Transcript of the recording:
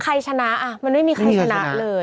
ใครชนะมันไม่มีใครชนะเลย